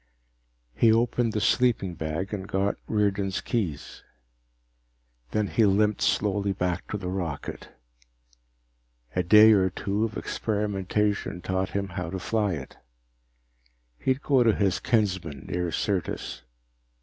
He opened the sleeping bag and got Riordan's keys. Then he limped slowly back to the rocket. A day or two of experimentation taught him how to fly it. He'd go to his kinsmen near Syrtis.